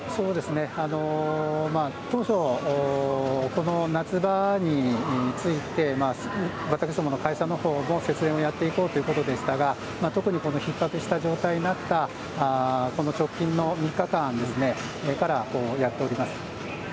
当初、この夏場について、私どもの会社のほうも節電をやっていこうということでしたが、特にこのひっ迫した状態になった、この直近の３日間から、やっております。